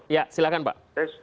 ya silakan pak